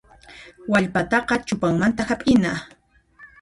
Wallpataqa chupanmanta hap'ina.